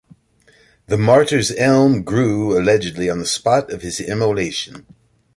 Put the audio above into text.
The "Martyr's Elm" grew, allegedly, on the spot of his immolation.